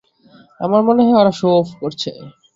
আমার মনে হয় ওরা শো-অফ করছে।